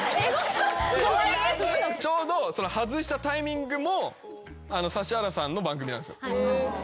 ちょうど外したタイミングも指原さんの番組なんすよ生放送で。